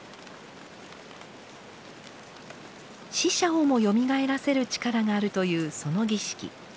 死者をもよみがえらせる力があるというその儀式